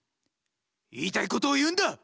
言いたいことを言うんだ！